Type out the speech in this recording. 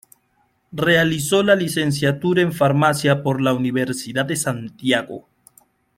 Realizó la licenciatura en Farmacia por la Universidad de Santiago.